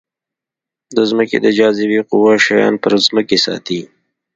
د ځمکې د جاذبې قوه شیان پر ځمکې ساتي.